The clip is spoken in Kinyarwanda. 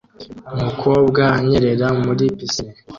Umukobwa anyerera muri pisine